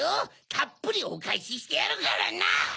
たっぷりおかえししてやるからな！